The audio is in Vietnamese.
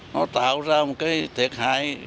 nó tạo ra một cái thiệt hại